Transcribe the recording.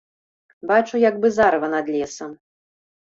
Бачу, як бы зарыва над лесам.